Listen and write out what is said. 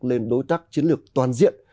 lên đối tác chiến lược toàn diện